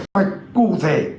phải cụ thể